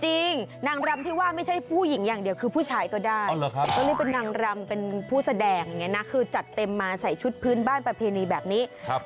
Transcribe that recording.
จริงนางรำที่ว่าไม่ใช่ผู้หญิงอย่างเดียวคือผู้ชายก็ได้